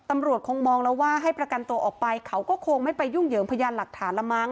ตำรวจคงมองแล้วว่าให้ประกันตัวออกไปเขาก็คงไม่ไปยุ่งเหยิงพยานหลักฐานละมั้